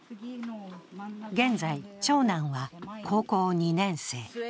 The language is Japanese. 現在、長男は高校２年生。